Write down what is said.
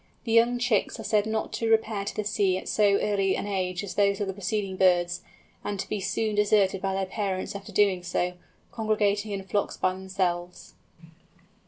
The young chicks are said not to repair to the sea at so early an age as those of the preceding birds; and to be soon deserted by their parents after doing so, congregating in flocks by themselves.